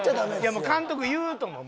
いや監督言うと思う。